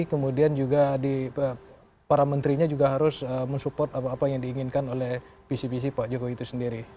kemudian juga para menterinya juga harus mensupport apa apa yang diinginkan oleh visi visi pak jokowi itu sendiri